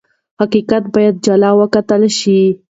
حقیقت باید جلا وکتل شي.